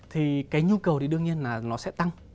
thì cái nhu cầu thì đương nhiên là nó sẽ tăng